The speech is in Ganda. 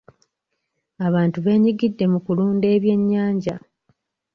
Abantu beenyigidde mu kulunda ebyennyanja.